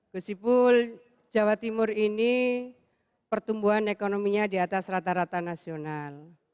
gus ipul jawa timur ini pertumbuhan ekonominya di atas rata rata nasional